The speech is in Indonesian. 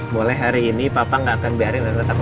boleh hari ini papa gak akan biarin rena takut lagi ya